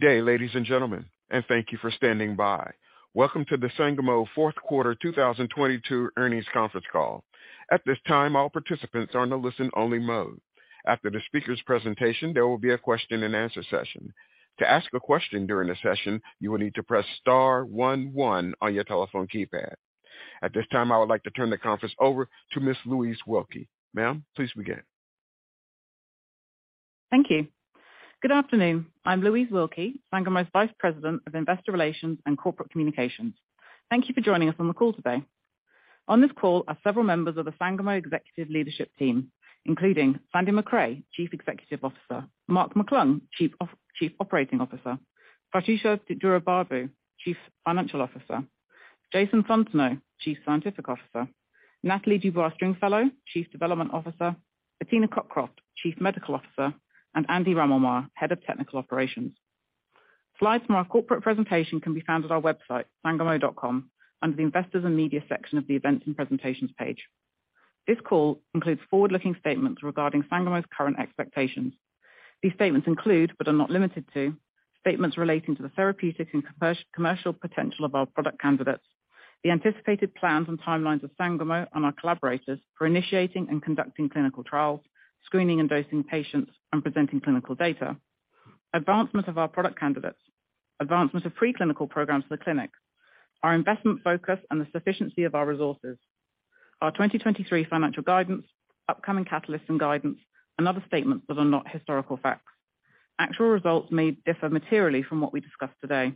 Good day, ladies and gentlemen. Thank you for standing by. Welcome to the Sangamo fourth quarter 2022 earnings conference call. At this time, all participants are in a listen only mode. After the speaker's presentation, there will be a question and answer session. To ask a question during the session, you will need to press star one one on your telephone keypad. At this time, I would like to turn the conference over to Ms. Louise Wilkie. Ma'am, please begin. Thank you. Good afternoon, I'm Louise Wilkie, Sangamo's Vice President of Investor Relations and Corporate Communication. Thank you for joining us on the call today. On this call are several members of the Sangamo executive leadership team, including Sandy Macrae, Chief Executive Officer, Mark McClung, Chief Operating Officer, Prathyusha Duraibabu, Chief Financial Officer, Jason Fontenot, Chief Scientific Officer, Nathalie Dubois-Stringfellow, Chief Development Officer, Bettina Cockroft, Chief Medical Officer, and Andy Ramelmeier, Head of Technical Operations. Slides from our corporate presentation can be found at our website, sangamo.com, under the Investors and Media section of the Events and Presentations page. This call includes forward-looking statements regarding Sangamo's current expectations. These statements include, but are not limited to, statements relating to the therapeutic and commercial potential of our product candidates, the anticipated plans and timelines of Sangamo and our collaborators for initiating and conducting clinical trials, screening and dosing patients, and presenting clinical data. Advancement of our product candidates, advancement of preclinical programs to the clinic, our investment focus, and the sufficiency of our resources. Our 2023 financial guidance, upcoming catalyst and guidance, and other statements that are not historical facts. Actual results may differ materially from what we discuss today.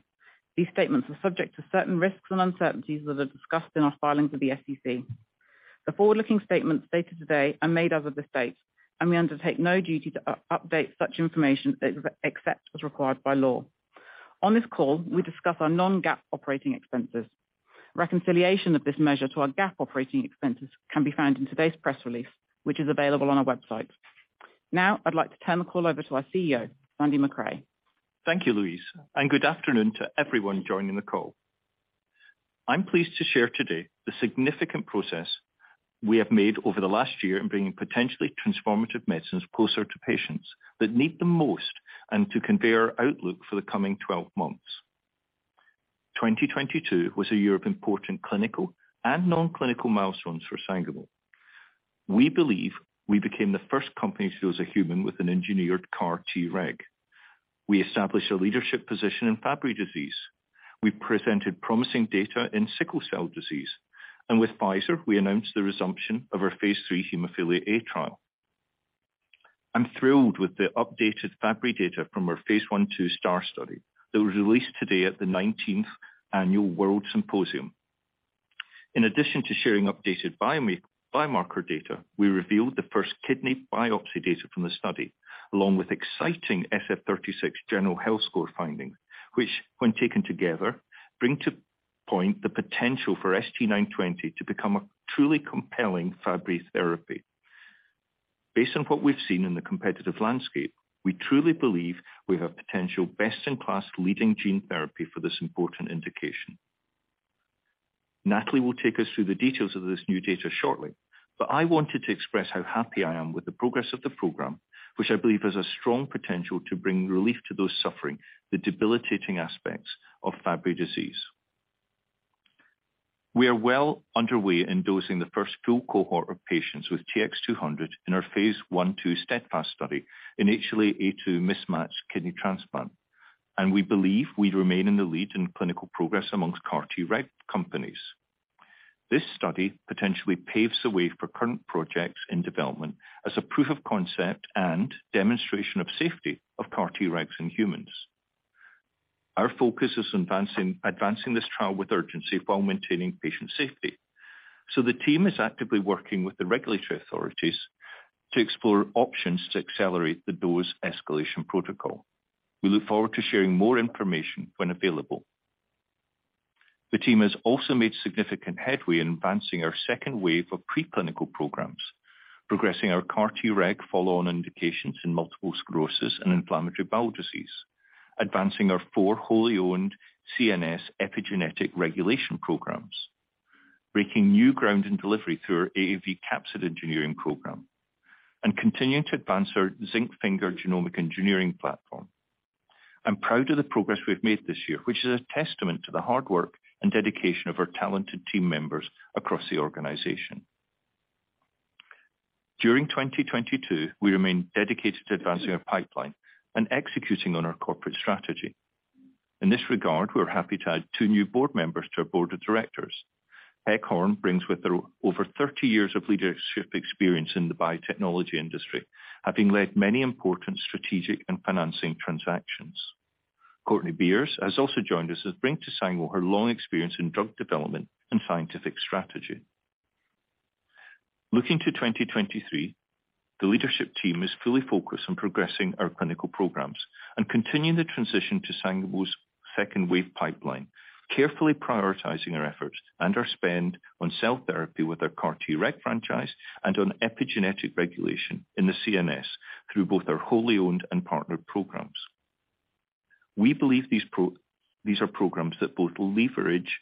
These statements are subject to certain risks and uncertainties that are discussed in our filings with the SEC. The forward-looking statements stated today are made as of this date, and we undertake no duty to update such information except as required by law. On this call, we discuss our non-GAAP operating expenses. Reconciliation of this measure to our GAAP operating expenses can be found in today's press release, which is available on our website. I'd like to turn the call over to our CEO, Sandy Macrae. Thank you, Louise. Good afternoon to everyone joining the call. I'm pleased to share today the significant progress we have made over the last year in bringing potentially transformative medicines closer to patients that need the most, and to convey our outlook for the coming 12 months. 2022 was a year of important clinical and non-clinical milestones for Sangamo. We believe we became the first company to dose a human with an engineered CAR-Treg. We established a leadership position in Fabry disease. We presented promising data in sickle cell disease. With Pfizer, we announced the resumption of our phase III hemophilia A trial. I'm thrilled with the updated Fabry data phase I-II STAAR study that was released today at the 19th Annual WORLDSymposium. In addition to sharing updated biomarker data, we revealed the first kidney biopsy data from the study, along with exciting SF-36 general health score findings, which, when taken together, bring to point the potential for ST-920 to become a truly compelling Fabry therapy. Based on what we've seen in the competitive landscape, we truly believe we have potential best-in-class leading gene therapy for this important indication. Natalie will take us through the details of this new data shortly. I wanted to express how happy I am with the progress of the program, which I believe has a strong potential to bring relief to those suffering the debilitating aspects of Fabry disease. We are well underway in dosing the first full cohort of patients with phase I-II steadfast study in HLA-A2 mismatch kidney transplant. We believe we remain in the lead in clinical progress amongst CAR-Treg companies. This study potentially paves the way for current projects in development as a proof of concept and demonstration of safety of CAR-Tregs in humans. Our focus is advancing this trial with urgency while maintaining patient safety. The team is actively working with the regulatory authorities to explore options to accelerate the dose escalation protocol. We look forward to sharing more information when available. The team has also made significant headway in advancing our second wave of pre-clinical programs, progressing our CAR-Treg follow-on indications in multiple sclerosis and inflammatory bowel disease, advancing our four wholly owned CNS epigenetic regulation programs, breaking new ground in delivery through our AAV capsid engineering program, and continuing to advance our zinc finger genomic engineering platform. I'm proud of the progress we've made this year, which is a testament to the hard work and dedication of our talented team members across the organization. During 2022, we remained dedicated to advancing our pipeline and executing on our corporate strategy. In this regard, we are happy to add two new board members to our board of directors. Peg Horn brings with her over 30 years of leadership experience in the biotechnology industry, having led many important strategic and financing transactions. Courtney Beers has also joined us and bring to Sangamo her long experience in drug development and scientific strategy. Looking to 2023, the leadership team is fully focused on progressing our clinical programs and continuing the transition to Sangamo's second wave pipeline, carefully prioritizing our efforts and our spend on cell therapy with our CAR-Treg franchise and on epigenetic regulation in the CNS through both our wholly owned and partnered programs. We believe These are programs that both leverage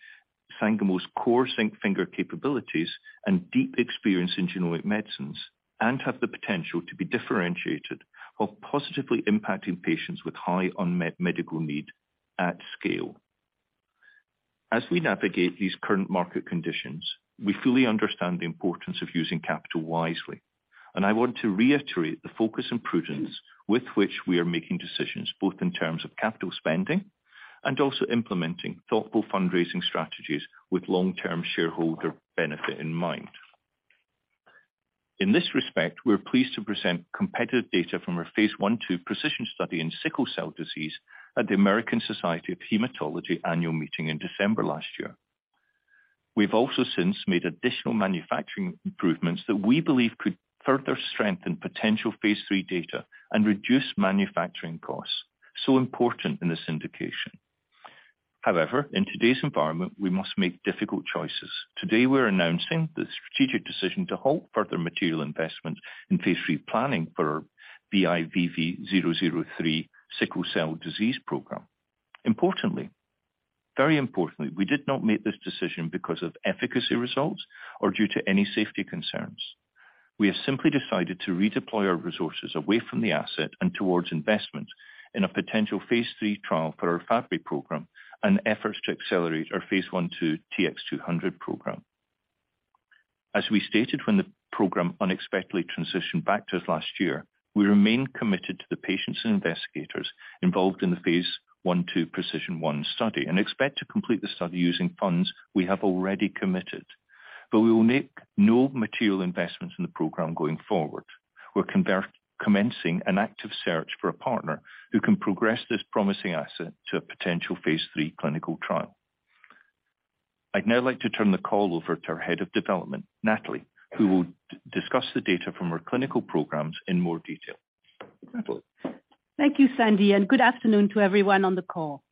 Sangamo's core zinc finger capabilities and deep experience in genomic medicines and have the potential to be differentiated while positively impacting patients with high unmet medical need at scale. We fully understand the importance of using capital wisely, and I want to reiterate the focus and prudence with which we are making decisions, both in terms of capital spending and also implementing thoughtful fundraising strategies with long-term shareholder benefit in mind. In this respect, we're pleased to present competitive phase I-II precision study in sickle cell disease at the American Society of Hematology Annual Meeting in December last year. We've also since made additional manufacturing improvements that we believe could further strengthen potential phase III data and reduce manufacturing costs so important in this indication. However, in today's environment, we must make difficult choices. Today we're announcing the strategic decision to halt further material investment in phase III planning for our BIVV003 sickle cell disease program. Importantly, very importantly, we did not make this decision because of efficacy results or due to any safety concerns. We have simply decided to redeploy our resources away from the asset and towards investment in a potential phase III trial for our Fabry program and efforts to phase I-II tx200 program. As we stated when the program unexpectedly transitioned back to us last year, we remain committed to the patients and investigators involved phase I-II PRECIZN-1 study and expect to complete the study using funds we have already committed. We will make no material investments in the program going forward. We're commencing an active search for a partner who can progress this promising asset to a potential phase III clinical trial. I'd now like to turn the call over to our Head of Development, Nathalie, who will discuss the data from our clinical programs in more detail. Nathalie? Thank you, Sandy, and good afternoon to everyone on the call.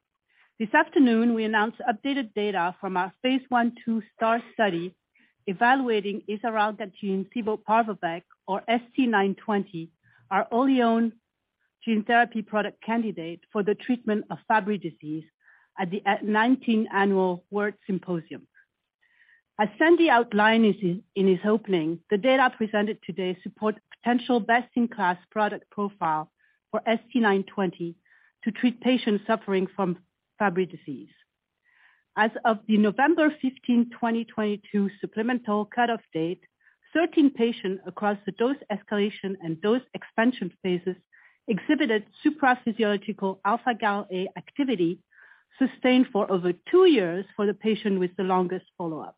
This afternoon we announced updated phase I-II STAAR study evaluating isaralgagene civaparvovec or ST-920, our only own gene therapy product candidate for the treatment of Fabry disease at the 19th annual WORLDSymposium. As Sandy outlined his in his opening, the data presented today support potential best-in-class product profile for ST-920 to treat patients suffering from Fabry disease. As of the November 15, 2022 supplemental cutoff date, 13 patients across the dose escalation and dose expansion phases exhibited supraphysiological alpha-Gal A activity sustained for over two years for the patient with the longest follow-up.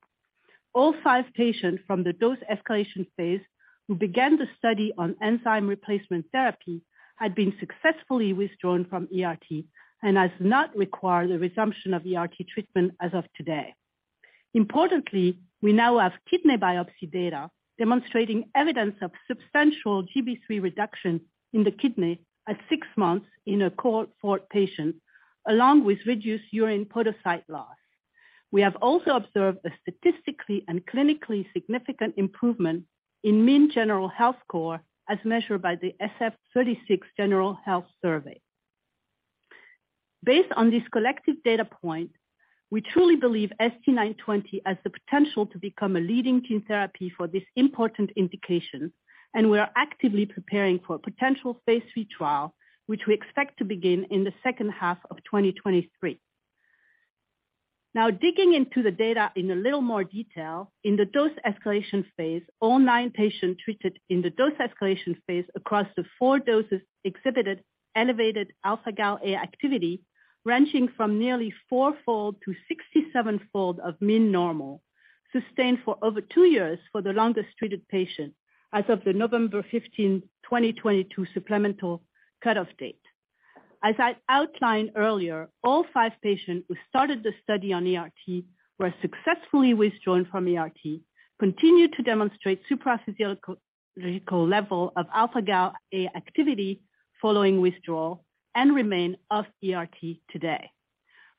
All 5 patients from the dose escalation phase who began the study on enzyme replacement therapy had been successfully withdrawn from ERT and has not required a resumption of ERT treatment as of today. Importantly, we now have kidney biopsy data demonstrating evidence of substantial GB3 reduction in the kidney at six months in a cohort for patient along with reduced urine podocyte loss. We have also observed a statistically and clinically significant improvement in mean general health score as measured by the SF-36 General Health Survey. Based on this collective data point, we truly believe ST-920 has the potential to become a leading gene therapy for this important indication, and we are actively preparing for a potential phase III trial, which we expect to begin in the second half of 2023. Digging into the data in a little more detail, in the dose escalation phase, all 9 patients treated in the dose escalation phase across the four doses exhibited elevated alpha-Gal A activity, ranging from nearly four-fold to 67-fold of mean normal, sustained for over two years for the longest treated patient as of the November 15, 2022 supplemental cutoff date. As I outlined earlier, all five patients who started the study on ERT were successfully withdrawn from ERT, continued to demonstrate supraphysio-physiological level of alpha-Gal A activity following withdrawal and remain off ERT today.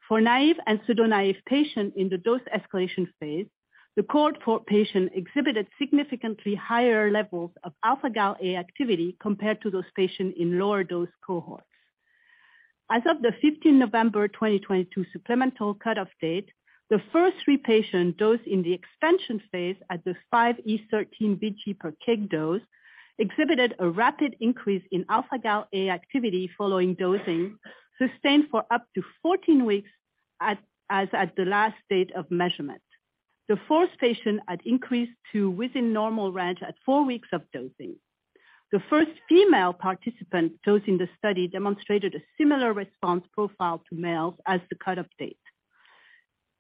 For naive and pseudo-naive patients in the dose escalation phase, the cohort for patient exhibited significantly higher levels of alpha-Gal A activity compared to those patients in lower dose cohorts. As of the 15th November 2022 supplemental cutoff date, the first three patients dosed in the expansion phase at the 5e13 vg/kg dose exhibited a rapid increase in alpha-Gal A activity following dosing, sustained for up to 14 weeks as at the last date of measurement. The fourth patient had increased to within normal range at four weeks of dosing. The first female participant dosed in the study demonstrated a similar response profile to males as the cutoff date.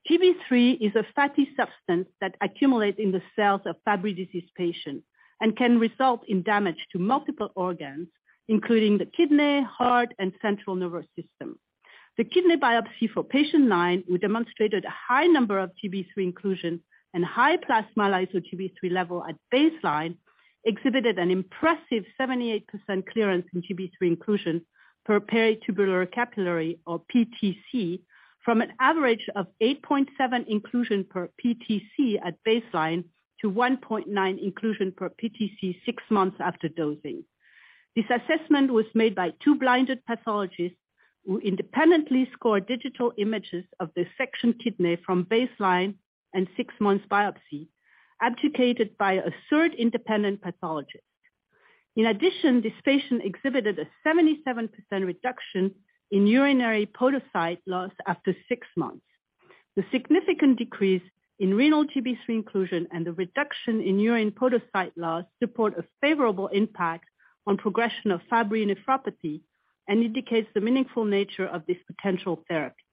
GB3 is a fatty substance that accumulates in the cells of Fabry disease patients and can result in damage to multiple organs, including the kidney, heart, and central nervous system. The kidney biopsy for patient nine, who demonstrated a high number of GB3 inclusion and high plasma lyso-Gb3 level at baseline, exhibited an impressive 78% clearance in GB3 inclusion per peritubular capillary or PTC from an average of 8.7 inclusion per PTC at baseline to 1.9 inclusion per PTC six months after dosing. This assessment was made by two blinded pathologists who independently scored digital images of the section kidney from baseline and six months biopsy, advocated by a third independent pathologist. In addition, this patient exhibited a 77% reduction in urinary podocyte loss after six months. The significant decrease in renal GB3 inclusion and the reduction in urine podocyte loss support a favorable impact on progression of Fabry nephropathy and indicates the meaningful nature of this potential therapy.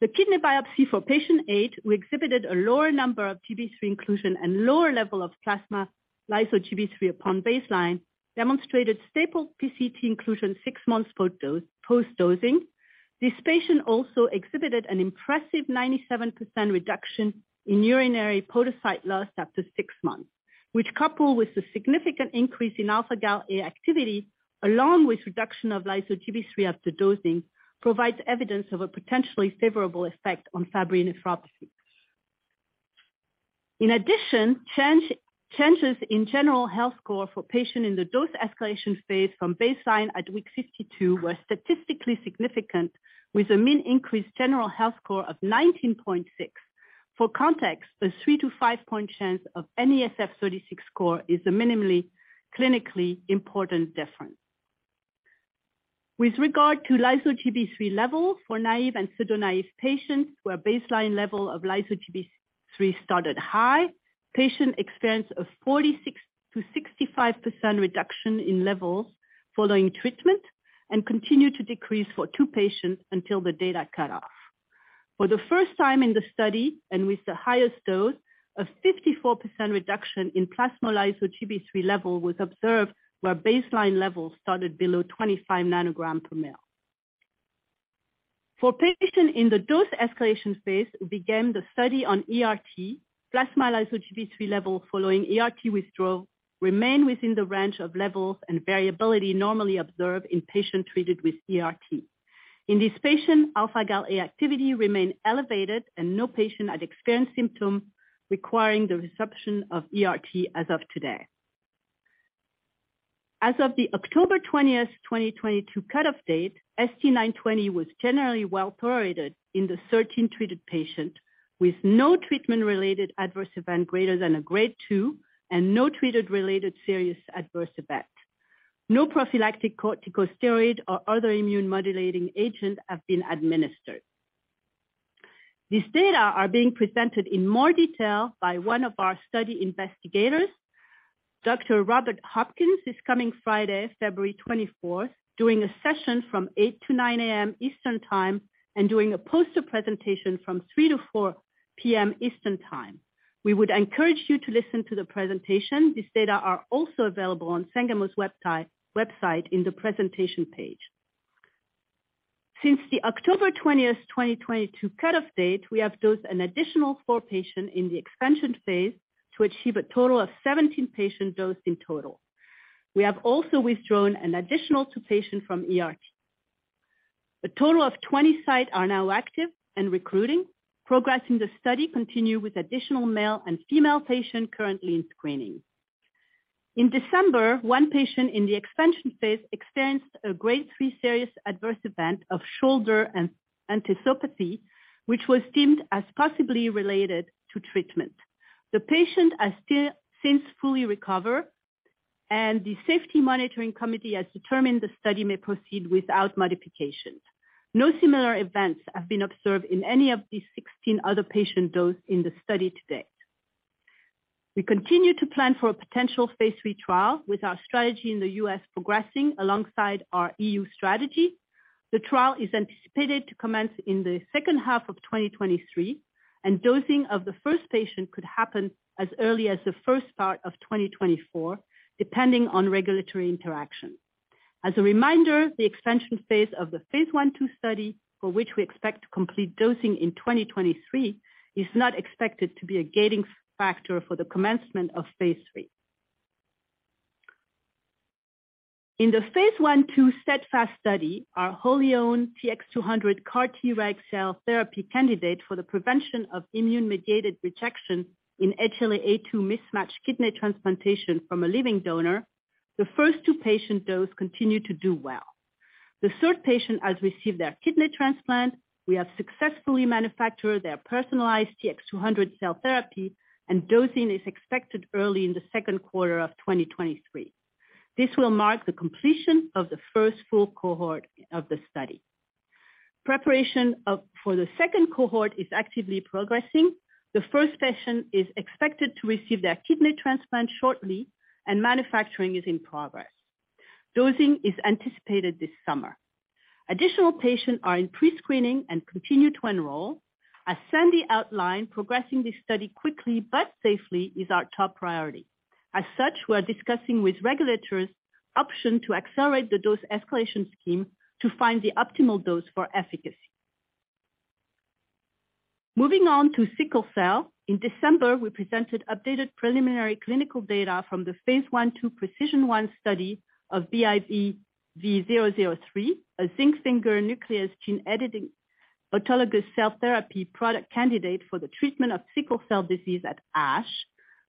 The kidney biopsy for patient eight, who exhibited a lower number of GB3 inclusion and lower level of plasma lyso-Gb3 upon baseline, demonstrated stable PCT inclusion six months post dose, post dosing. This patient also exhibited an impressive 97% reduction in urinary podocyte loss after six months, which coupled with the significant increase in alpha-Gal A activity, along with reduction of lyso-Gb3 after dosing, provides evidence of a potentially favorable effect on Fabry nephropathy. In addition, changes in general health score for patient in the dose escalation phase from baseline at week 52 were statistically significant, with a mean increased general health score of 19.6. For context, the three to five point change of SF-36 score is a minimally clinically important difference. With regard to lyso-Gb3 levels for naive and pseudo-naive patients where baseline level of lyso-Gb3 started high, patient experienced a 46%-65% reduction in levels following treatment and continued to decrease for two patients until the data cut off. For the first time in the study, and with the highest dose, a 54% reduction in plasma lyso-Gb3 level was observed where baseline levels started below 25 nanogram per ml. For patient in the dose escalation phase who began the study on ERT, plasma lyso-Gb3 level following ERT withdrawal remained within the range of levels and variability normally observed in patient treated with ERT. In this patient, alpha-Gal A activity remained elevated and no patient had experienced symptoms requiring the reception of ERT as of today. As of the October 20, 2022 cut off date, ST-920 was generally well tolerated in the 13 treated patients, with no treatment related adverse event greater than a grade 2 and no treated related serious adverse event. No prophylactic corticosteroid or other immune modulating agent have been administered. These data are being presented in more detail by one of our study investigators, Dr. Robert Hopkin, this coming Friday, February 24, during a session from 8:00 A.M. to 9:00 A.M. Eastern Time and during a poster presentation from 3:00 P.M. to 4:00 P.M. Eastern Time. We would encourage you to listen to the presentation. These data are also available on Sangamo's website in the presentation page. Since the October 20, 2022 cut off date, we have dosed an additional four patients in the expansion phase to achieve a total of 17 patients dosed in total. We have also withdrawn an additional two patients from ERT. A total of 20 sites are now active and recruiting. Progress in the study continues with additional male and female patients currently in screening. In December, one patient in the expansion phase experienced a Grade 3 serious adverse event of shoulder enthesopathy, which was deemed as possibly related to treatment. The patient has still since fully recovered, and the Safety Monitoring Committee has determined the study may proceed without modifications. No similar events have been observed in any of these 16 other patients dosed in the study to date. We continue to plan for a potential phase III trial with our strategy in the U.S. progressing alongside our EU strategy. The trial is anticipated to commence in the second half of 2023. Dosing of the first patient could happen as early as the first part of 2024, depending on regulatory interaction. As a reminder, the expansion phase I-II study, for which we expect to complete dosing in 2023, is not expected to be a gating factor for the commencement of phase I-II steadfast study, our wholly-owned TX200 CAR-Treg cell therapy candidate for the prevention of immune-mediated rejection in HLA-A2 mismatch kidney transplantation from a living donor, the first two patient dose continue to do well. The third patient has received their kidney transplant. We have successfully manufactured their personalized TX200 cell therapy. Dosing is expected early in the second quarter of 2023. This will mark the completion of the first full cohort of the study. Preparation for the second cohort is actively progressing. The first patient is expected to receive their kidney transplant shortly, and manufacturing is in progress. Dosing is anticipated this summer. Additional patients are in pre-screening and continue to enroll. As Sandy outlined, progressing this study quickly but safely is our top priority. As such, we're discussing with regulators option to accelerate the dose escalation scheme to find the optimal dose for efficacy. Moving on to sickle cell. In December, we presented updated preliminary phase I-II PRECIZN-1 study of BIVV003, a zinc finger nuclease gene editing-autologous cell therapy product candidate for the treatment of sickle cell disease at ASH.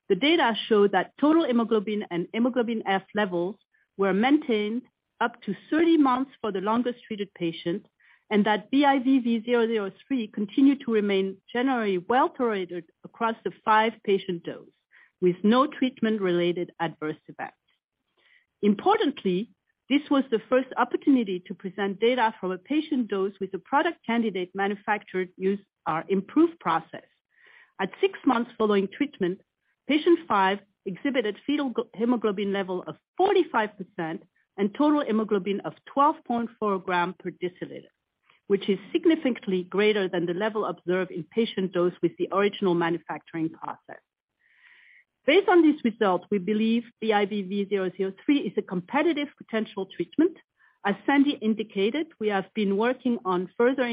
The data showed that total hemoglobin and hemoglobin F levels were maintained up to 30 months for the longest treated patient, and that BIVV003 continued to remain generally well tolerated across the five patient dose, with no treatment related adverse events. Importantly, this was the first opportunity to present data from a patient dose with a product candidate manufactured using our improved process. At six months following treatment, patient five exhibited fetal hemoglobin level of 45% and total hemoglobin of 12.4 g per deciliter, which is significantly greater than the level observed in patient dose with the original manufacturing process. Based on this result, we believe BIVV003 is a competitive potential treatment. As Sandy indicated, we have been working on further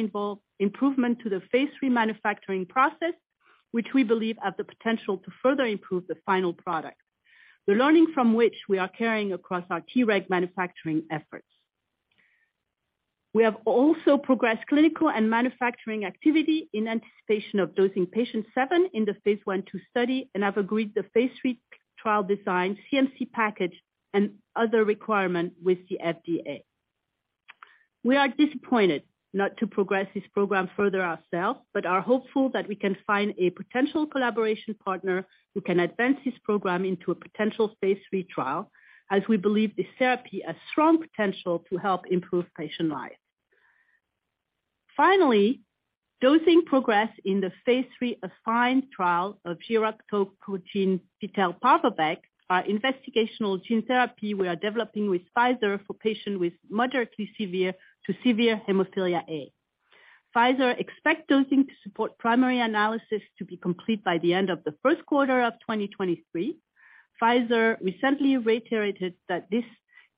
improvement to the phase III manufacturing process, which we believe have the potential to further improve the final product. The learning from which we are carrying across our Treg manufacturing efforts. We have also progressed clinical and manufacturing activity in anticipation of dosing patient phase I-II study and have agreed the phase III trial design, CMC package and other requirements with the FDA. We are disappointed not to progress this program further ourselves, are hopeful that we can find a potential collaboration partner who can advance this program into a potential phase III trial as we believe this therapy has strong potential to help improve patient lives. Dosing progress in the phase III AFFINE trial of giroctocogene fitelparvovec, our investigational gene therapy we are developing with Pfizer for patients with moderately severe to severe hemophilia A. Pfizer expect dosing to support primary analysis to be complete by the end of the first quarter of 2023. Pfizer recently reiterated that this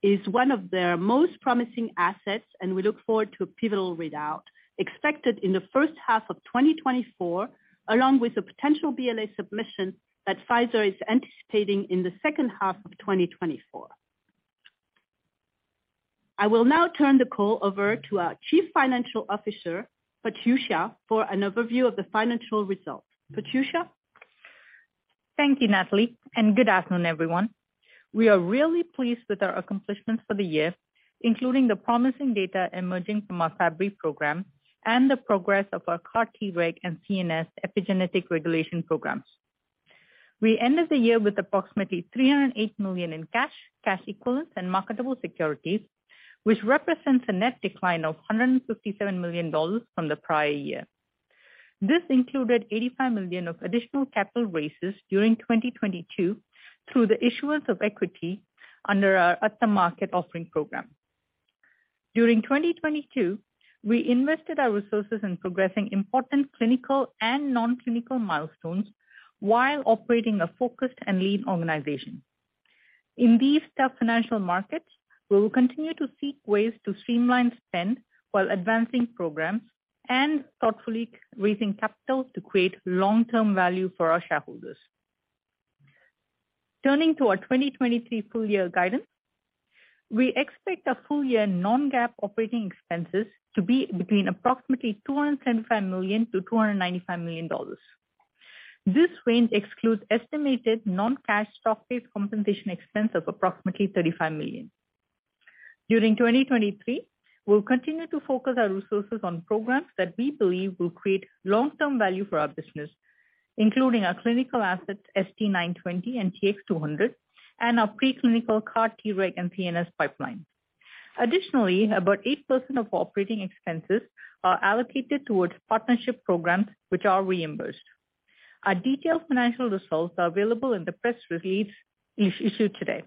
is one of their most promising assets and we look forward to a pivotal readout expected in the first half of 2024, along with a potential BLA submission that Pfizer is anticipating in the second half of 2024. I will now turn the call over to our Chief Financial Officer, Prathyusha, for an overview of the financial results. Prathyusha. Thank you, Nathalie. Good afternoon, everyone. We are really pleased with our accomplishments for the year, including the promising data emerging from our Fabry program and the progress of our CAR-Treg and CNS epigenetic regulation programs. We ended the year with approximately $308 million in cash equivalents and marketable securities, which represents a net decline of $157 million from the prior year. This included $85 million of additional capital raises during 2022 through the issuance of equity under our At-the-Market Offering program. During 2022, we invested our resources in progressing important clinical and non-clinical milestones while operating a focused and lean organization. In these tough financial markets, we will continue to seek ways to streamline spend while advancing programs and thoughtfully raising capital to create long-term value for our shareholders. Turning to our 2023 full year guidance, we expect our full year non-GAAP operating expenses to be between approximately $275 million-$295 million. This range excludes estimated non-cash stock-based compensation expense of approximately $35 million. During 2023, we'll continue to focus our resources on programs that we believe will create long-term value for our business, including our clinical assets ST-920 and TX200, and our pre-clinical CAR-Treg and PNS pipeline. About 8% of operating expenses are allocated towards partnership programs, which are reimbursed. Our detailed financial results are available in the press release issued today.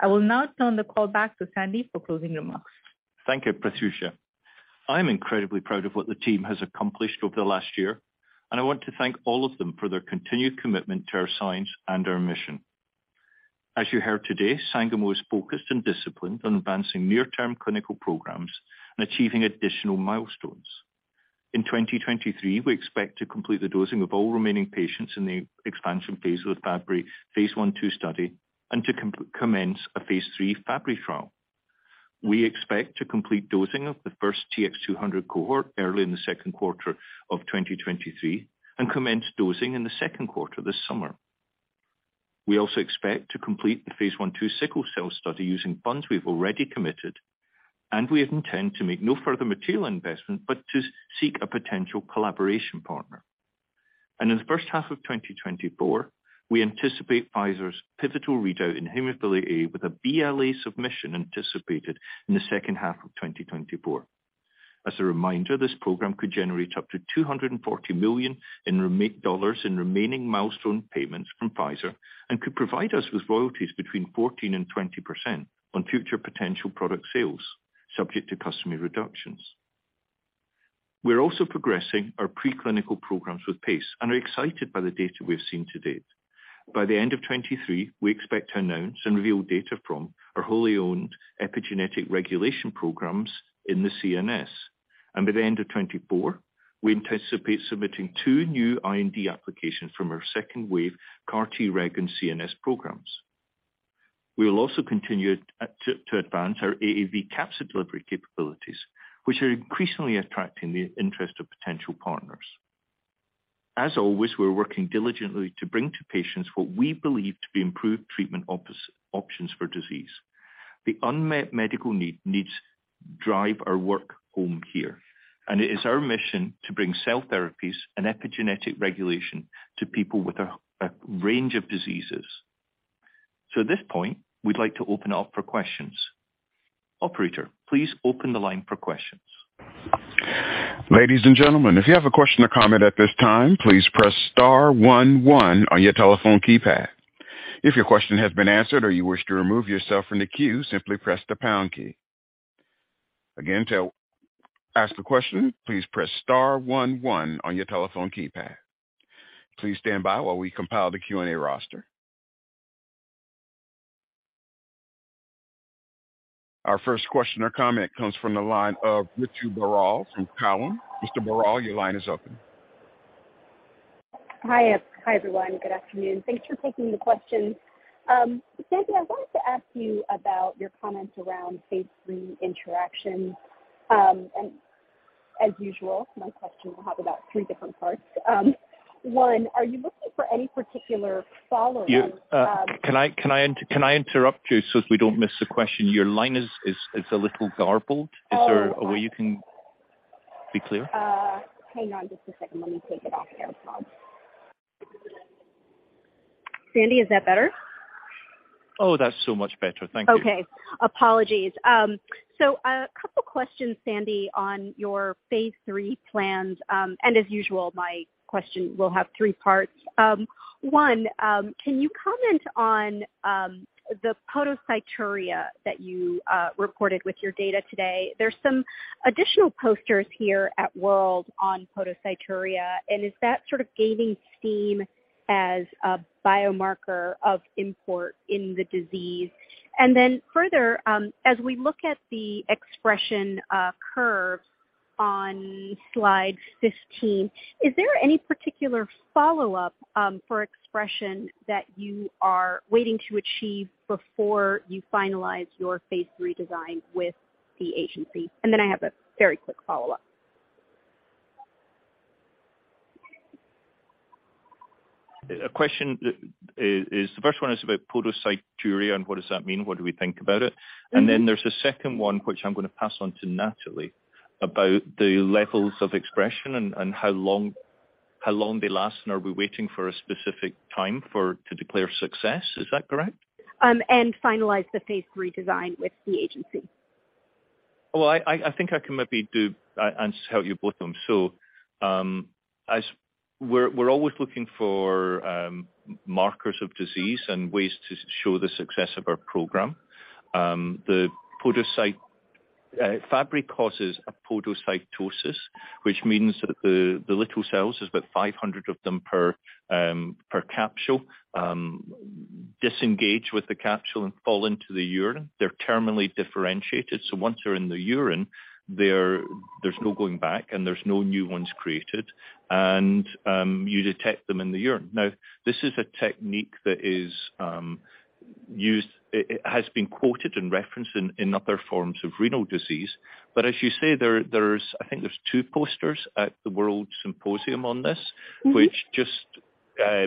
I will now turn the call back to Sandy for closing remarks. Thank you, Prathyusha. I'm incredibly proud of what the team has accomplished over the last year, and I want to thank all of them for their continued commitment to our science and our mission. As you heard today, Sangamo is focused and disciplined on advancing near-term clinical programs and achieving additional milestones. In 2023, we expect to complete the dosing of all remaining patients in the expansion phase phase I-II study and to commence a phase III Fabry trial. We expect to complete dosing of the first TX200 cohort early in the second quarter of 2023 and commence dosing in the second quarter this summer. We also expect phase I-II sickle cell study using funds we've already committed, and we intend to make no further material investment but to seek a potential collaboration partner. In the first half of 2024, we anticipate Pfizer's pivotal readout in hemophilia A with a BLA submission anticipated in the second half of 2024. As a reminder, this program could generate up to $240 million in remaining milestone payments from Pfizer and could provide us with royalties between 14% and 20% on future potential product sales, subject to customary reductions. We're also progressing our pre-clinical programs with pace and are excited by the data we have seen to date. By the end of 2023, we expect to announce and reveal data from our wholly owned epigenetic regulation programs in the CNS. By the end of 2024, we anticipate submitting two new IND applications from our second wave CAR-Treg and CNS programs. We will also continue to advance our AAV capsid delivery capabilities, which are increasingly attracting the interest of potential partners. As always, we're working diligently to bring to patients what we believe to be improved treatment options for disease. The unmet medical needs drive our work home here, and it is our mission to bring cell therapies and epigenetic regulation to people with a range of diseases. At this point, we'd like to open it up for questions. Operator, please open the line for questions. Ladies and gentlemen, if you have a question or comment at this time, please press star one one on your telephone keypad. If your question has been answered or you wish to remove yourself from the queue, simply press the pound key. Again, to ask the question, please press star one one on your telephone keypad. Please stand by while we compile the Q&A roster. Our first question or comment comes from the line of Ritu Baral from Cowen. Mr. Baral, your line is open. Hi. Hi, everyone. Good afternoon. Thanks for taking the questions. Sandy, I wanted to ask you about your comments around phase III interactions. As usual, my question will have about three different parts. one, are you looking for any particular follow-up? Yeah. Can I interrupt you so as we don't miss the question? Your line is a little garbled. Oh, okay. Is there a way you can be clear? Hang on just a second. Let me take it off airplane. Sandy, is that better? Oh, that's so much better. Thank you. Okay. Apologies. A couple questions, Sandy, on your phase III plans. As usual, my question will have three parts. One, can you comment on the podocyturia that you reported with your data today? There's some additional posters here at WORLDSymposium on podocyturia. Is that sort of gaining steam as a biomarker of import in the disease? Further, as we look at the expression curve on slide 15, is there any particular follow-up for expression that you are waiting to achieve before you finalize your phase III design with the agency? I have a very quick follow-up. The first one is about podocyturia. What does that mean? What do we think about it? Mm-hmm. There's a second one, which I'm gonna pass on to Nathalie, about the levels of expression and how long they last, and are we waiting for a specific time to declare success? Is that correct? And finalize the phase III design with the agency. Well, I think I can maybe just help you both of them. We're always looking for markers of disease and ways to show the success of our program. Fabry causes a podocyturia, which means that the little cells, there's about 500 of them per per capsule, disengage with the capsule and fall into the urine. They're terminally differentiated, so once they're in the urine, there's no going back, and there's no new ones created, and you detect them in the urine. Now, this is a technique that is used. It has been quoted in reference in other forms of renal disease. As you say, I think there's two posters at the WORLDSymposium on this. Mm-hmm. Which just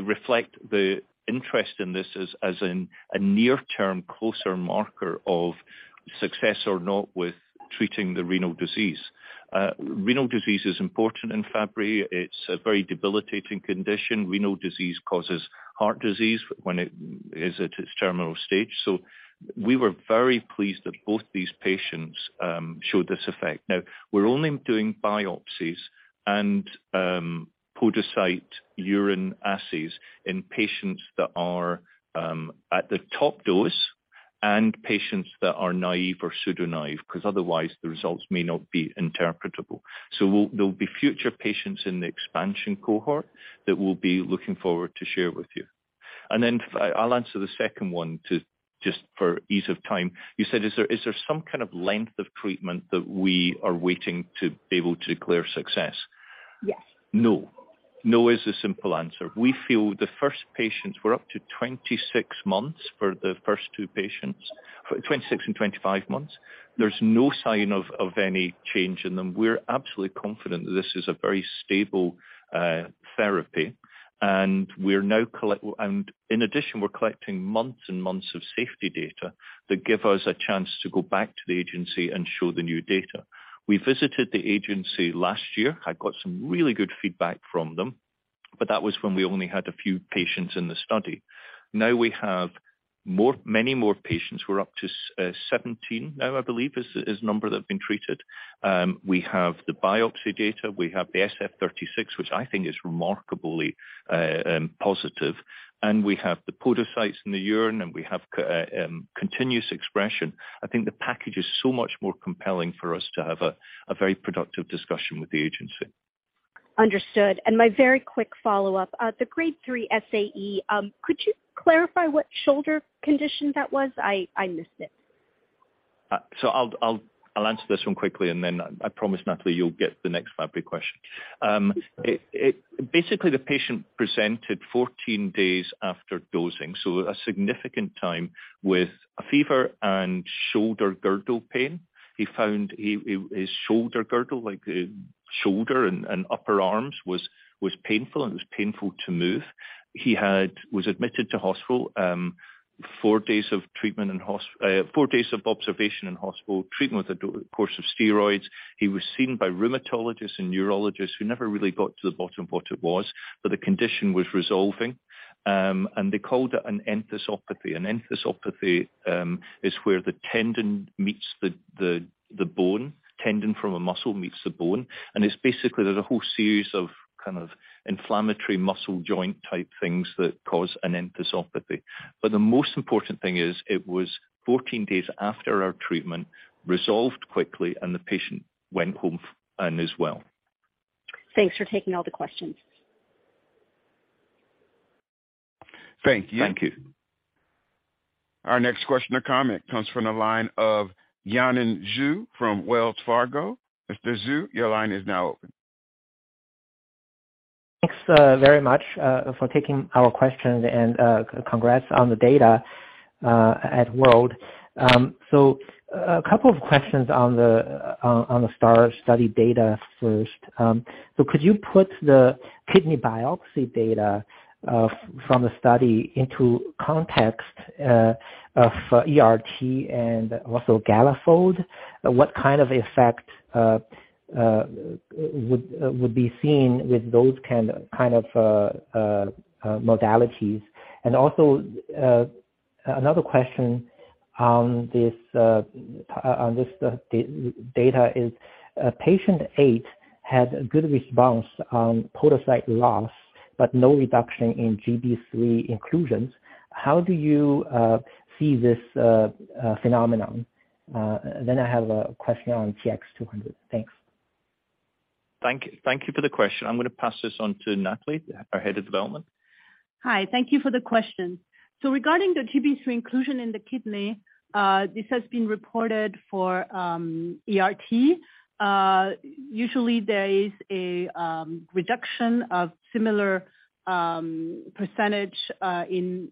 reflect the interest in this as an, a near-term closer marker of success or not with treating the renal disease. Renal disease is important in Fabry. It's a very debilitating condition. Renal disease causes heart disease when it is at its terminal stage. We were very pleased that both these patients showed this effect. Now, we're only doing biopsies and podocyte urine assays in patients that are at the top dose and patients that are naive or pseudo-naive. 'Cause otherwise the results may not be interpretable. There'll be future patients in the expansion cohort that we'll be looking forward to share with you. I'll answer the second one just for ease of time. You said, is there some kind of length of treatment that we are waiting to be able to declare success? Yes. No. No is the simple answer. We feel the first patients. We're up to 26 months for the first two patients. 26 and 25 months. There's no sign of any change in them. We're absolutely confident that this is a very stable therapy. We're now collecting months and months of safety data that give us a chance to go back to the agency and show the new data. We visited the agency last year and got some really good feedback from them, but that was when we only had a few patients in the study. Now we have many more patients. We're up to 17 now, I believe, is the number that have been treated. We have the biopsy data, we have the SF-36, which I think is remarkably positive, and we have the podocytes in the urine, and we have continuous expression. I think the package is so much more compelling for us to have a very productive discussion with the agency. Understood. My very quick follow-up: the Grade 3 SAE, could you clarify what shoulder condition that was? I missed it. I'll answer this one quickly, and then I promise, Nathalie, you'll get the next Fabry question. Basically, the patient presented 14 days after dosing, so a significant time with a fever and shoulder girdle pain. He found his shoulder girdle, like the shoulder and upper arms was painful, and it was painful to move. He was admitted to hospital, four days of treatment in hospital, four days of observation in hospital, treatment with a course of steroids. He was seen by rheumatologists and neurologists who never really got to the bottom of what it was, but the condition was resolving. They called it an enthesopathy. An enthesopathy is where the tendon meets the bone, tendon from a muscle meets the bone. It's basically there's a whole series of, kind of, inflammatory muscle joint type things that cause an enthesopathy. The most important thing is it was 14 days after our treatment, resolved quickly, and the patient went home and is well. Thanks for taking all the questions. Thank you. Thank you. Our next question or comment comes from the line of Yanan Zhu from Wells Fargo. Mr. Zhu, your line is now open. Thanks very much for taking our questions and congrats on the data at World. A couple of questions on the STAAR study data first. Could you put the kidney biopsy data from the study into context of ERT and also Galafold? What kind of effect would be seen with those kind of modalities? Also, another question on this data is patient 8` had a good response on podocyte loss, but no reduction in GB3 inclusions. How do you see this phenomenon? I have a question on TX200. Thanks. Thank you. Thank you for the question. I'm gonna pass this on to Nathalie, our head of development. Hi. Thank you for the question. Regarding the GB3 inclusion in the kidney, this has been reported for ERT. Usually there is a reduction of similar percentage in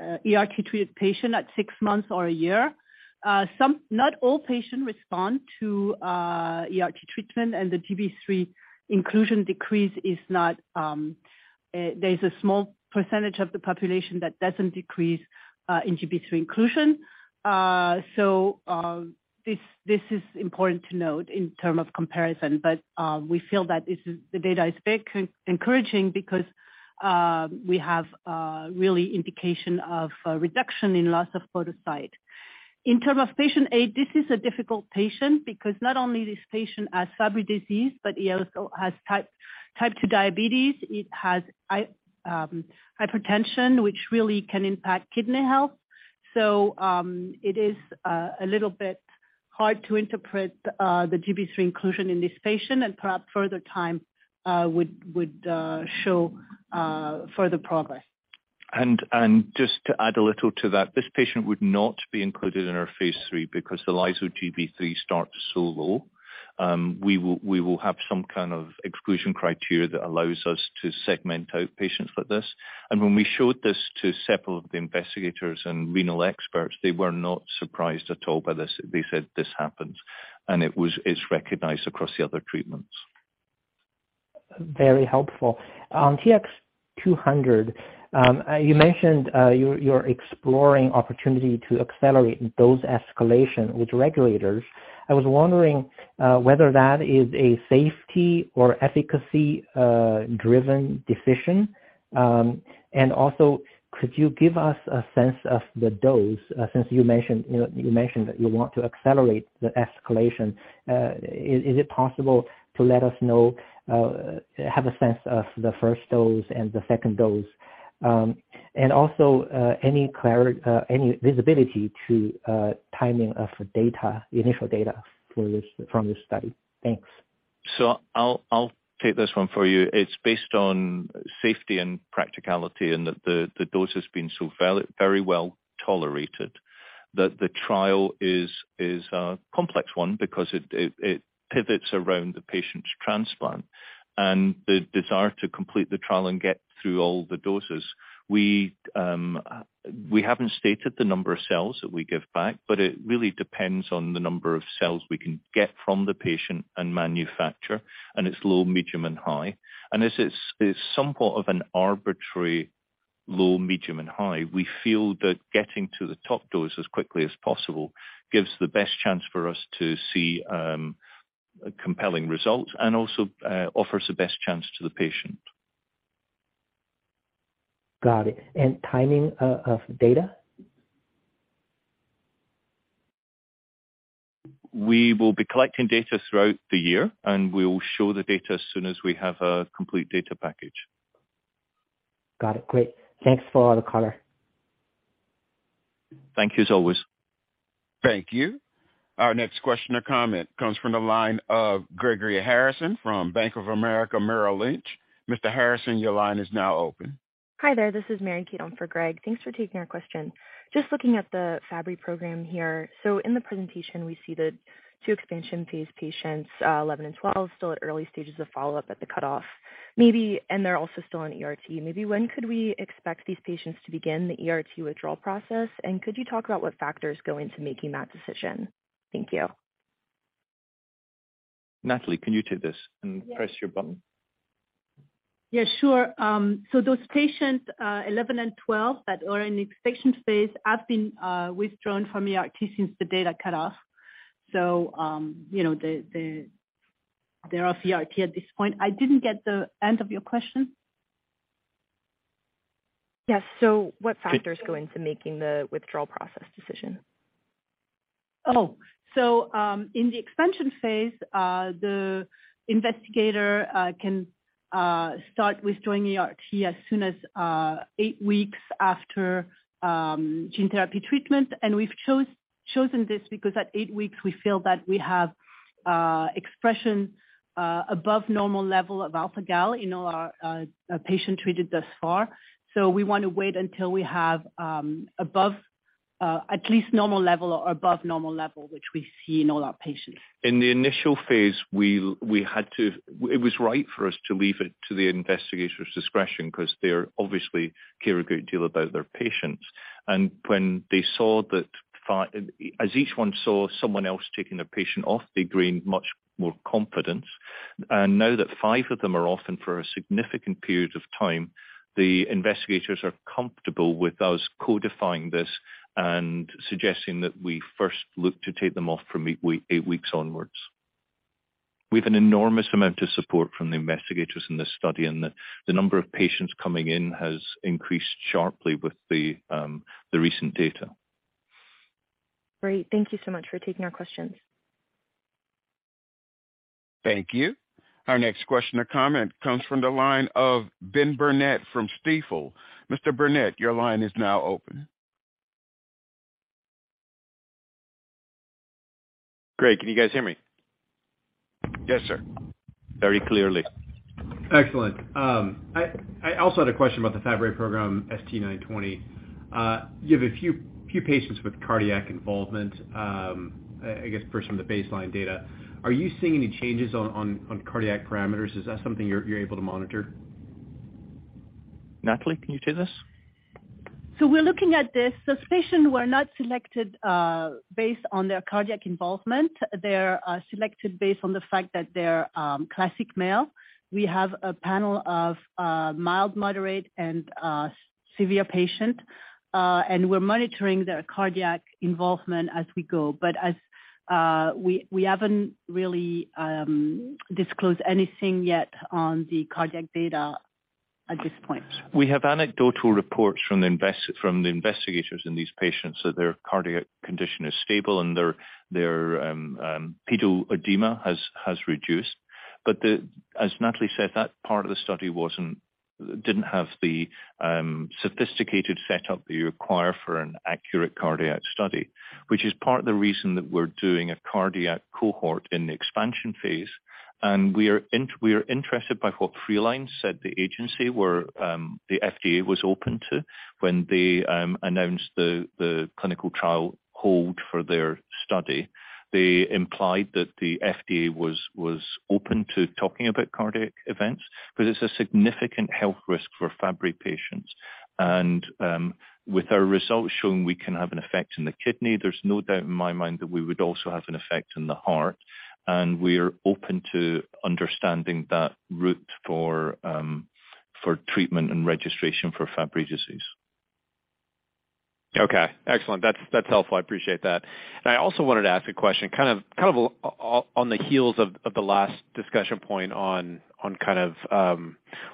ERT treated patient at six months or a year. Not all patients respond to ERT treatment, and the GB3 inclusion decrease is not there's a small percentage of the population that doesn't decrease in GB3 inclusion. This is important to note in term of comparison. We feel that the data is encouraging because we have really indication of a reduction in loss of podocyte. In term of patient aid, this is a difficult patient because not only this patient has Fabry disease, but he also has type 2 diabetes. It has hypertension, which really can impact kidney health. It is a little bit hard to interpret the GB3 inclusion in this patient and perhaps further time would show further progress. Just to add a little to that, this patient would not be included in our phase III because the lyso-Gb3 starts so low. We will have some kind of exclusion criteria that allows us to segment out patients like this. When we showed this to several of the investigators and renal experts, they were not surprised at all by this. They said this happens. It's recognized across the other treatments. Very helpful. On TX200, you mentioned, you're exploring opportunity to accelerate dose escalation with regulators. I was wondering whether that is a safety or efficacy driven decision. Could you give us a sense of the dose, since you mentioned, you know, you mentioned that you want to accelerate the escalation. Is it possible to let us know, have a sense of the first dose and the second dose? Any visibility to timing of data, initial data from this study? Thanks. I'll take this one for you. It's based on safety and practicality and the dose has been so very well tolerated that the trial is a complex one because it pivots around the patient's transplant and the desire to complete the trial and get through all the doses. We haven't stated the number of cells that we give back, but it really depends on the number of cells we can get from the patient and manufacture, and it's low, medium, and high. And this is somewhat of an arbitrary low, medium, and high. We feel that getting to the top dose as quickly as possible gives the best chance for us to see compelling results and also offers the best chance to the patient. Got it. Timing of data? We will be collecting data throughout the year, and we will show the data as soon as we have a complete data package. Got it. Great. Thanks for all the color. Thank you as always. Thank you. Our next question or comment comes from the line of Gregory Harrison from Bank of America Merrill Lynch. Mr. Harrison, your line is now open. Hi there. This is Mary Kay on for Greg. Thanks for taking our question. Just looking at the Fabry program here. In the presentation, we see the two expansion phase patients, 11 and 12, still at early stages of follow-up at the cutoff, maybe, and they're also still on ERT. Maybe when could we expect these patients to begin the ERT withdrawal process? Could you talk about what factors go into making that decision? Thank you. Nathalie, can you take this? Yes. press your button. Yeah, sure. Those patients, 11 and 12 that are in the expansion phase have been withdrawn from ERT since the data cut-off. You know, they're off ERT at this point. I didn't get the end of your question. Yes. What factors go into making the withdrawal process decision? Oh. In the expansion phase, the investigator can start withdrawing ERT as soon as eight weeks after gene therapy treatment. We've chosen this because at eight weeks, we feel that we have expression above normal level of alpha-Gal A in all our patient treated thus far. We wanna wait until we have above at least normal level or above normal level, which we see in all our patients. In the initial phase, we had to. It was right for us to leave it to the investigator's discretion 'cause they're obviously care a great deal about their patients. When each one saw someone else taking their patient off, they gained much more confidence. Now that five of them are off and for a significant period of time, the investigators are comfortable with us codifying this and suggesting that we first look to take them off from eight weeks onwards. We have an enormous amount of support from the investigators in this study, the number of patients coming in has increased sharply with the recent data. Great. Thank you so much for taking our questions. Thank you. Our next question or comment comes from the line of Ben Burnett from Stifel. Mr. Burnett, your line is now open. Great. Can you guys hear me? Yes, sir. Very clearly. Excellent. I also had a question about the Fabry program, ST-920. You have a few patients with cardiac involvement, I guess for some of the baseline data. Are you seeing any changes on cardiac parameters? Is that something you're able to monitor? Nathalie, can you take this? We're looking at this. Those patients were not selected, based on their cardiac involvement. They're selected based on the fact that they're classic male. We have a panel of mild, moderate, and severe patient, and we're monitoring their cardiac involvement as we go. As we haven't really disclosed anything yet on the cardiac data at this point. We have anecdotal reports from the investigators in these patients that their cardiac condition is stable and their pedal edema has reduced. As Nathalie said, that part of the study wasn't, didn't have the sophisticated setup that you require for an accurate cardiac study, which is part of the reason that we're doing a cardiac cohort in the expansion phase. We are interested by what Freeline said the agency were, the FDA was open to when they announced the clinical trial hold for their study. They implied that the FDA was open to talking about cardiac events, but it's a significant health risk for Fabry patients. With our results showing we can have an effect in the kidney, there's no doubt in my mind that we would also have an effect in the heart. We are open to understanding that route for treatment and registration for Fabry disease. Okay, excellent. That's helpful. I appreciate that. I also wanted to ask a question, kind of on the heels of the last discussion point on kind of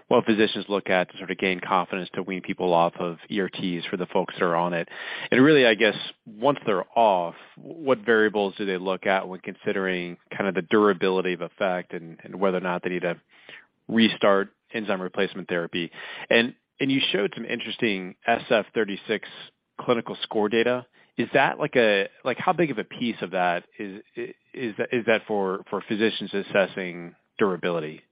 what physicians look at to sort of gain confidence to wean people off of ERTs for the folks that are on it. Really, I guess, once they're off, what variables do they look at when considering kind of the durability of effect and whether or not they need to restart enzyme replacement therapy? You showed some interesting SF-36 clinical score data. Is that like how big of a piece of that is that for physicians assessing durability?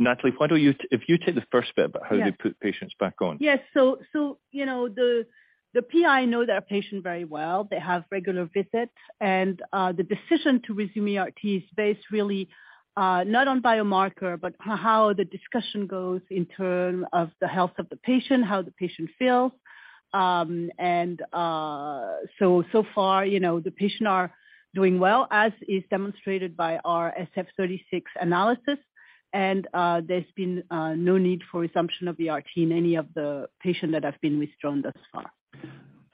Nathalie, why don't you if you take the first bit about how they put patients back on. Yes, you know, the PI know their patient very well. They have regular visits. The decision to resume ERT is based really, not on biomarker, but how the discussion goes in term of the health of the patient, how the patient feels. Far, you know, the patient are doing well, as is demonstrated by our SF-36 analysis. There's been no need for resumption of ERT in any of the patient that have been withdrawn thus far.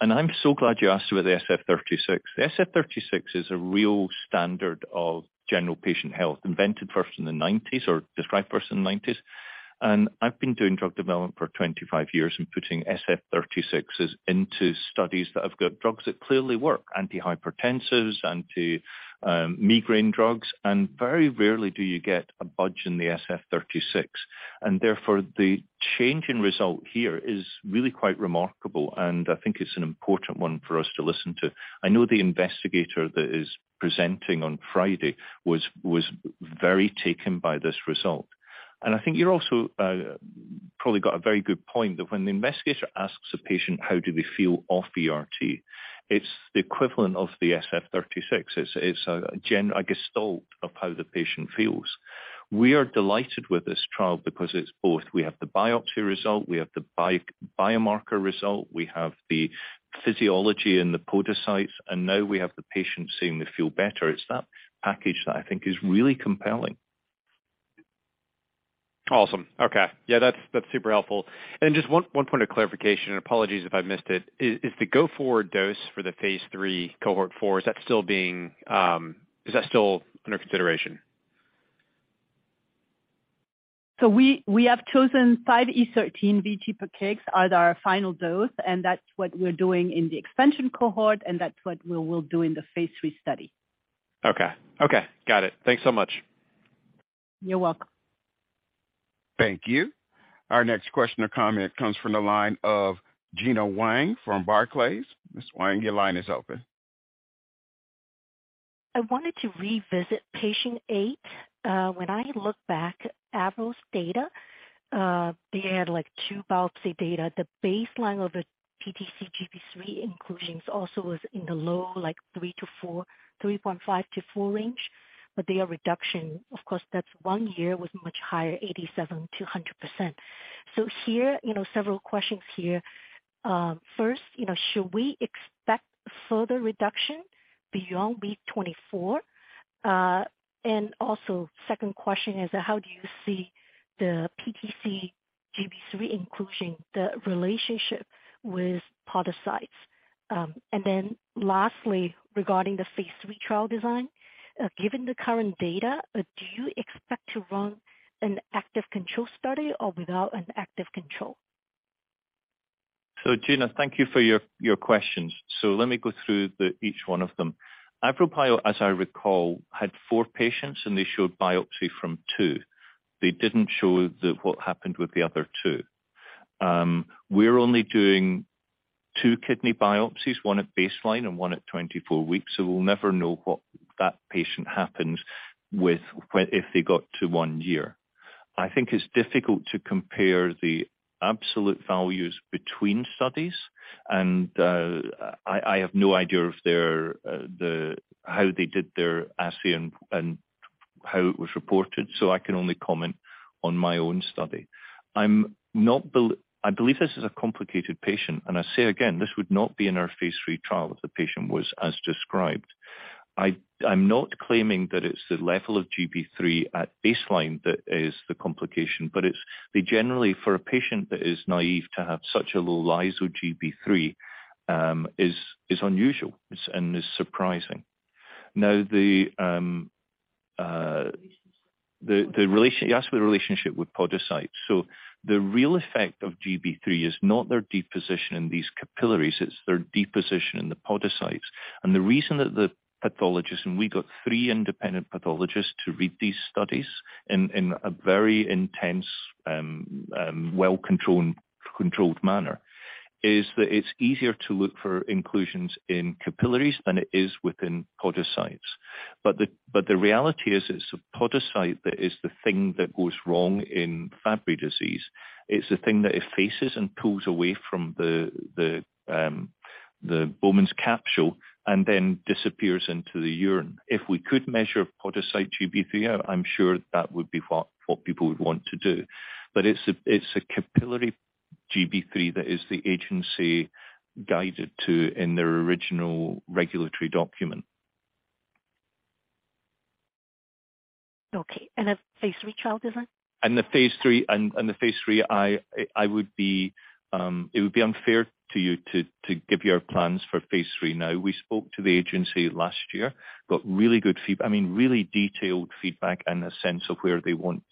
I'm so glad you asked about the SF-36. The SF-36 is a real standard of general patient health, invented first in the 90s or described first in the 90s. I've been doing drug development for 25 years and putting SF-36s into studies that have got drugs that clearly work, antihypertensives, anti, migraine drugs. Very rarely do you get a budge in the SF-36. Therefore, the change in result here is really quite remarkable, and I think it's an important one for us to listen to. I know the investigator that is presenting on Friday was very taken by this result. I think you're also probably got a very good point that when the investigator asks a patient, how do they feel off the RT, it's the equivalent of the SF-36. It's a gestalt of how the patient feels. We are delighted with this trial because it's both. We have the biopsy result, we have the biomarker result, we have the physiology in the podocytes, and now we have the patient seeming to feel better. It's that package that I think is really compelling. Awesome. Okay. Yeah, that's super helpful. Just one point of clarification, and apologies if I missed it. Is the go-forward dose for the phase III cohort 4, is that still under consideration? We have chosen 5e13 vg/kg as our final dose, and that's what we're doing in the expansion cohort, and that's what we will do in the phase III study. Okay. Okay. Got it. Thanks so much. You're welcome. Thank you. Our next question or comment comes from the line of Gena Wang from Barclays. Miss Wang, your line is open. I wanted to revisit patient 8. When I look back at AVROBIO's data, they had, like, two biopsy data. The baseline of the PTC GB3 inclusions also was in the low, like 3-4, 3.5-4 range. Their reduction, of course, that's one year, was much higher, 87% to 100%. Here, you know, several questions here. First, you know, should we expect further reduction beyond week 24? Also, second question is how do you see the PTC GB3 inclusion, the relationship with podocytes? Lastly, regarding the phase III trial design, given the current data, do you expect to run an active control study or without an active control? Gena, thank you for your questions. Let me go through each one of them. Avrobio, as I recall, had four patients, and they showed biopsy from two. They didn't show what happened with the other two. We're only doing two kidney biopsies, one at baseline and one at 24 weeks. We'll never know what that patient happened with if they got to one year. I think it's difficult to compare the absolute values between studies and I have no idea if they're how they did their assay and how it was reported. I can only comment on my own study. I believe this is a complicated patient. I say again, this would not be in our phase III trial if the patient was as described. I'm not claiming that it's the level of GB3 at baseline that is the complication, it's the generally for a patient that is naive to have such a low lyso-Gb3 is unusual and is surprising. You asked for the relationship with podocytes. The real effect of GB3 is not their deposition in these capillaries, it's their deposition in the podocytes. The reason that the pathologist, and we got three independent pathologists to read these studies in a very intense, well-controlled manner, is that it's easier to look for inclusions in capillaries than it is within podocytes. The reality is, it's a podocyte that is the thing that goes wrong in Fabry disease. It's the thing that effaces and pulls away from the Bowman's capsule and then disappears into the urine. If we could measure podocyte GB3, I'm sure that would be what people would want to do. It's a capillary GB3 that is the agency guided to in their original regulatory document. Okay. The phase III trial design? The phase III, I would be unfair to you to give you our plans for phase III now. We spoke to the agency last year, got really good I mean, really detailed feedback and a sense of where they want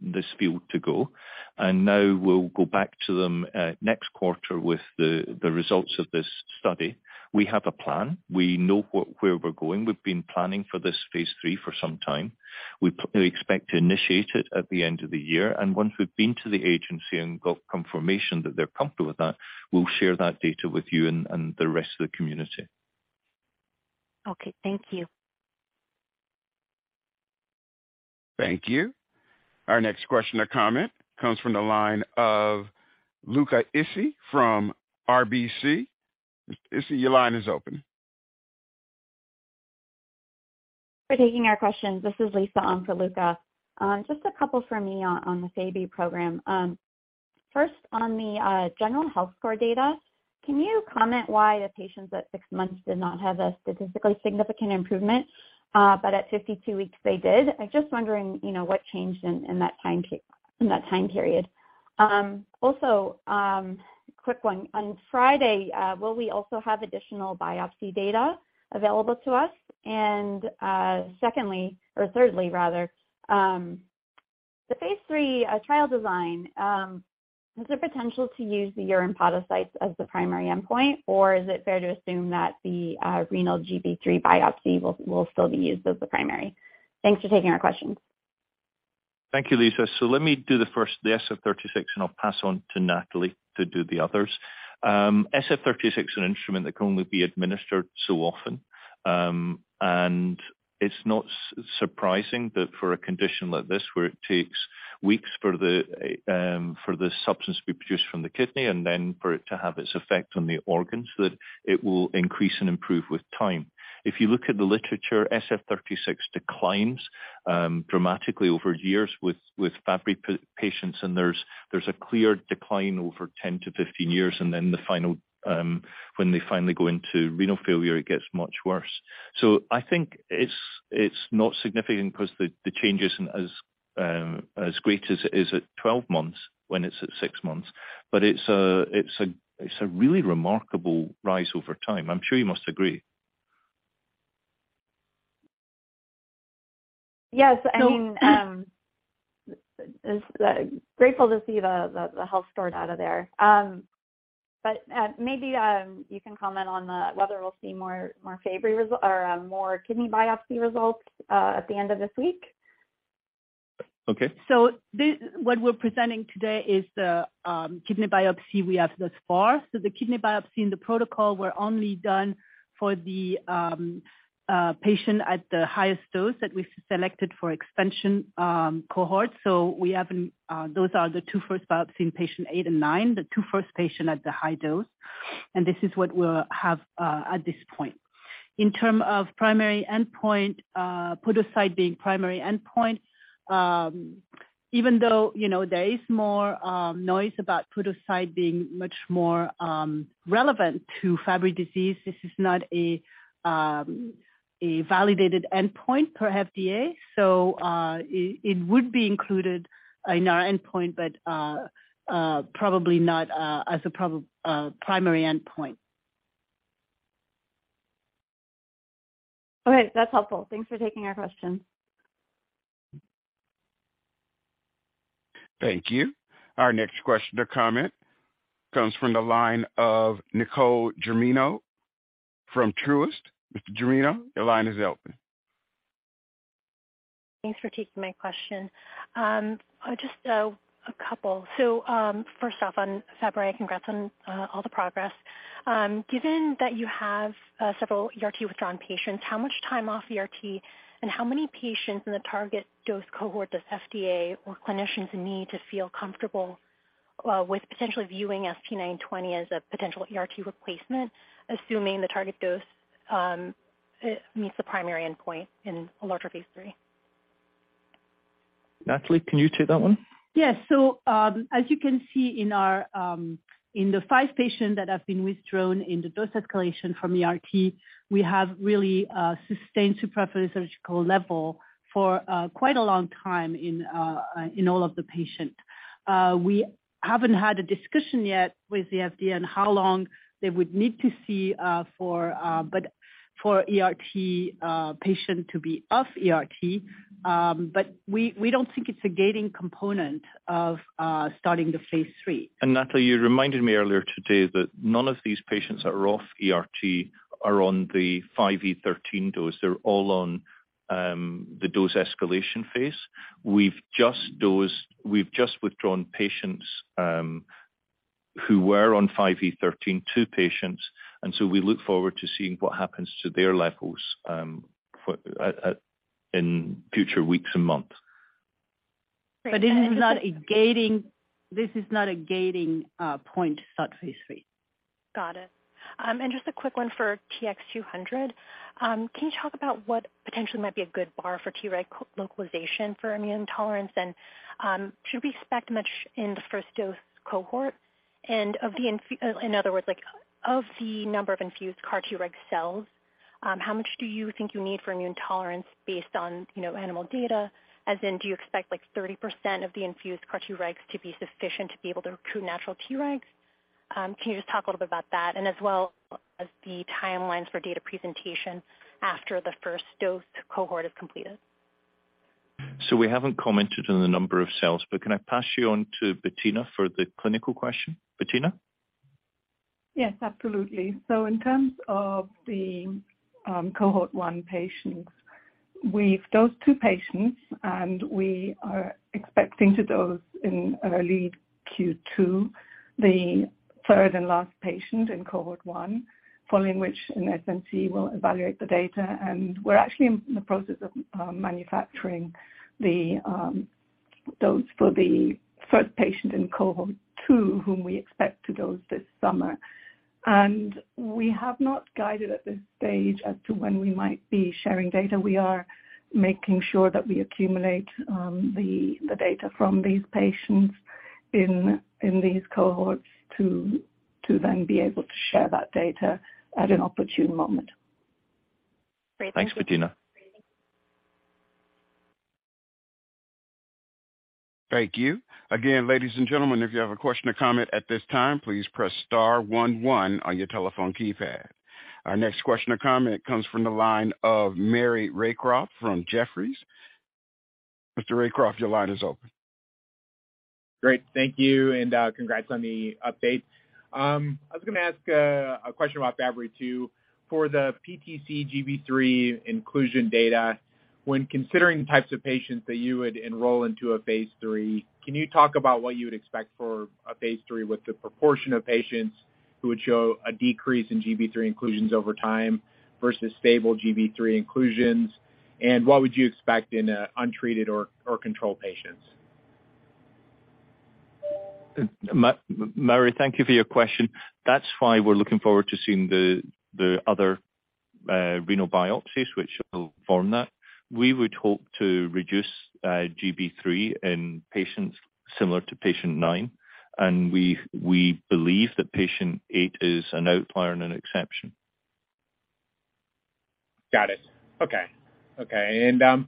this field to go. Now we'll go back to them next quarter with the results of this study. We have a plan. We know where we're going. We've been planning for this phase III for some time. We expect to initiate it at the end of the year. Once we've been to the agency and got confirmation that they're comfortable with that, we'll share that data with you and the rest of the community. Okay. Thank you. Thank you. Our next question or comment comes from the line of Luca Issi from RBC. Issi, your line is open. For taking our questions. This is Lisa on for Luca Issi. Just a couple for me on the Fabry program. First, on the general health score data, can you comment why the patients at six months did not have a statistically significant improvement, but at 52 weeks they did? I'm just wondering, you know, what changed in that time period. Also, quick one. On Friday, will we also have additional biopsy data available to us? Secondly or thirdly, rather, the phase III trial design, is there potential to use the urine podocytes as the primary endpoint, or is it fair to assume that the renal GB3 biopsy will still be used as the primary? Thanks for taking our questions. Thank you, Lisa. Let me do the first, the SF-36, and I'll pass on to Nathalie to do the others. SF-36 is an instrument that can only be administered so often. And it's not surprising that for a condition like this, where it takes weeks for the, for the substance to be produced from the kidney and then for it to have its effect on the organs, that it will increase and improve with time. If you look at the literature, SF-36 declines dramatically over years with Fabry patients, and there's a clear decline over 10-15 years. Then the final, when they finally go into renal failure, it gets much worse. I think it's not significant 'cause the change isn't as great as it is at 12 months when it's at six months. It's a really remarkable rise over time. I'm sure you must agree. Yes. I mean, grateful to see the health score data there. Maybe, you can comment on whether we'll see more Fabry or more kidney biopsy results at the end of this week. Okay. What we're presenting today is the kidney biopsy we have thus far. The kidney biopsy and the protocol were only done for the patient at the highest dose that we've selected for expansion cohort. We haven't. Those are the two first biopsy in patient eight and nine, the two first patient at the high dose. This is what we'll have at this point. In term of primary endpoint, podocyte being primary endpoint, even though, you know, there is more noise about podocyte being much more relevant to Fabry disease, this is not a validated endpoint per FDA. It would be included in our endpoint, but probably not as a primary endpoint. All right. That's helpful. Thanks for taking our question. Thank you. Our next question or comment comes from the line of Nicole Germino from Truist. Ms. Germino, your line is open. Thanks for taking my question. Just a couple. First off, on Fabry, congrats on all the progress. Given that you have several ERT-withdrawn patients, how much time off ERT and how many patients in the target dose cohort does FDA or clinicians need to feel comfortable with potentially viewing ST-920 as a potential ERT replacement, assuming the target dose meets the primary endpoint in a larger phase III? Nathalie, can you take that one? Yes. As you can see in our, in the five patients that have been withdrawn in the dose escalation from ERT, we have really sustained supra-physiological level for quite a long time in all of the patients. We haven't had a discussion yet with the FDA on how long they would need to see for ERT patient to be off ERT. We don't think it's a gating component of starting the phase III. Nathalie, you reminded me earlier today that none of these patients that are off ERT are on the 5e13 dose. They're all on the dose escalation phase. We've just withdrawn patients who were on 5e13, two patients, and so we look forward to seeing what happens to their levels in future weeks and months. It is not a gating, this is not a gating, point to start phase III. Got it. Just a quick one for TX200. Can you talk about what potentially might be a good bar for Treg co-localization for immune tolerance? Should we expect much in the first dose cohort? In other words, like, of the number of infused CAR-Treg cells, how much do you think you need for immune tolerance based on, you know, animal data? As in, do you expect, like, 30% of the infused CAR-Tregs to be sufficient to be able to recruit natural T-regs? Can you just talk a little bit about that? As well as the timelines for data presentation after the first dose cohort is completed. We haven't commented on the number of cells, but can I pass you on to Bettina for the clinical question? Bettina? Yes, absolutely. In terms of the cohort one patients, we've dosed two patients, and we are expecting to dose in early Q2, the third and last patient in cohort 1, following which an SMC will evaluate the data. We're actually in the process of manufacturing the dose for the first patient in cohort 2, whom we expect to dose this summer. We have not guided at this stage as to when we might be sharing data. We are making sure that we accumulate the data from these patients in these cohorts to then be able to share that data at an opportune moment. Great. Thanks, Bettina. Thank you. Ladies and gentlemen, if you have a question or comment at this time, please press star one one on your telephone keypad. Our next question or comment comes from the line of Maury Raycroft from Jefferies. Mr. Raycroft, your line is open. Great. Thank you, and congrats on the update. I was gonna ask a question about Fabry2. For the PTC GB3 inclusion data, when considering the types of patients that you would enroll into a phase III, can you talk about what you would expect for a phase III with the proportion of patients who would show a decrease in GB3 inclusions over time versus stable GB3 inclusions? What would you expect in untreated or control patients? Maury, thank you for your question. That's why we're looking forward to seeing the other renal biopsies which will form that. We would hope to reduce GB3 in patients similar to patient 9, and we believe that patient 8 is an outlier and an exception. Got it. Okay. Okay.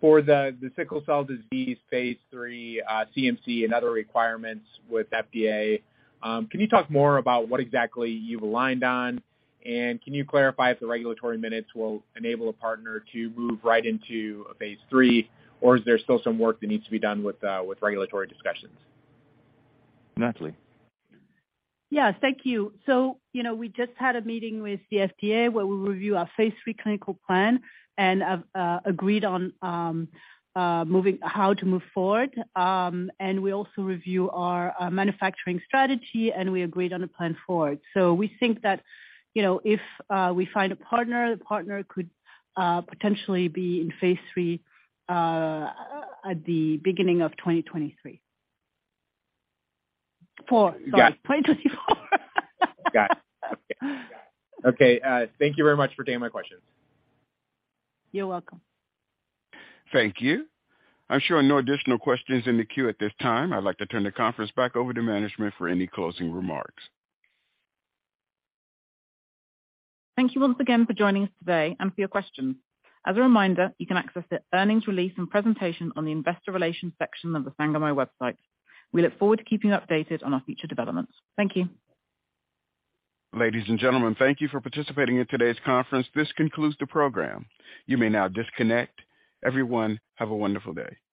For the sickle cell disease phase III, CMC and other requirements with FDA, can you talk more about what exactly you've aligned on? Can you clarify if the regulatory minutes will enable a partner to move right into a phase III, or is there still some work that needs to be done with regulatory discussions? Nathalie? Yes. Thank you. You know, we just had a meeting with the FDA where we review our phase III clinical plan and have agreed on how to move forward. We also review our manufacturing strategy, and we agreed on a plan forward. We think that, you know, if we find a partner, the partner could potentially be in phase III at the beginning of 2023. 2024. Sorry. Got it. 2024. Got it. Okay. Okay, thank you very much for taking my questions. You're welcome. Thank you. I'm showing no additional questions in the queue at this time. I'd like to turn the conference back over to management for any closing remarks. Thank you once again for joining us today and for your questions. As a reminder, you can access the earnings release and presentation on the investor relations section of the Sangamo website. We look forward to keeping you updated on our future developments. Thank you. Ladies and gentlemen, thank you for participating in today's conference. This concludes the program. You may now disconnect. Everyone, have a wonderful day. Speak to me.